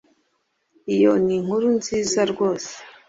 iyo ni inkuru nziza rwose.